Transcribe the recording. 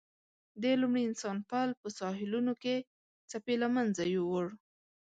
د لومړي انسان پل په ساحلونو کې څپې له منځه یووړ.